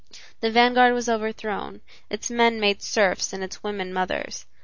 The vanguard was overthrown; its men made serfs and its women mothers.